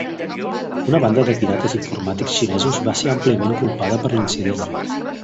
Una banda de pirates informàtics xinesos va ser àmpliament culpada per l'incident.